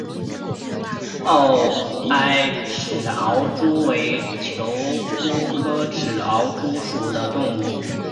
螯埃齿螯蛛为球蛛科齿螯蛛属的动物。